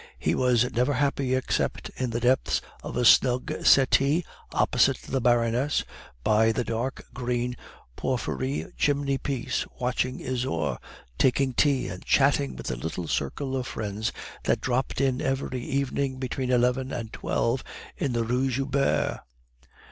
He was never happy except in the depths of a snug settee opposite the Baroness, by the dark green porphyry chimney piece, watching Isaure, taking tea, and chatting with the little circle of friends that dropped in every evening between eleven and twelve in the Rue Joubert.